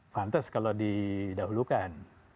pantes kalau didahulukan